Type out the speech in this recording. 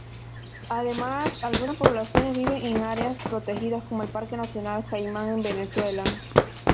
Además, algunas poblaciones viven en áreas protegidas, como el Parque Nacional Canaima en Venezuela.